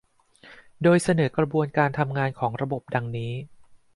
โดยเสนอกระบวนการทำงานของระบบดังนี้